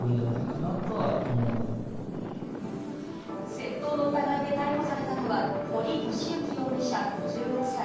窃盗の疑いで逮捕されたのは堀寿行容疑者５６歳。